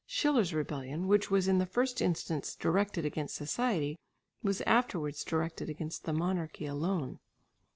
Schiller's rebellion which was in the first instance directed against society, was afterwards directed against the monarchy alone.